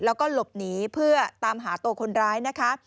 แล้วก็หลบหนีเพื่อตามหาตัวคนร้ายนะคะ